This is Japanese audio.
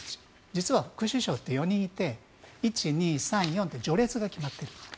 実は、副首相って４人いて１、２、３、４って序列が決まってる。